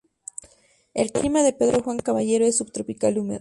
El clima de Pedro Juan Caballero es subtropical húmedo.